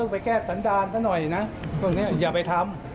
ไปแก้สันดานถ้าหน่อยอย่าไปทำ